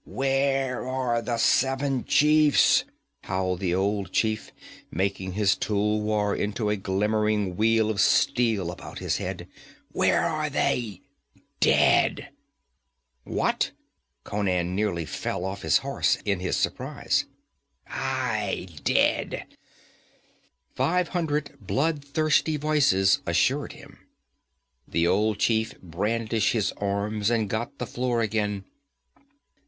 'Where are the seven chiefs?' howled the old chief, making his tulwar into a glimmering wheel of steel about his head. 'Where are they? Dead!' 'What!' Conan nearly fell off his horse in his surprize. 'Aye, dead!' five hundred bloodthirsty voices assured him. The old chief brandished his arms and got the floor again.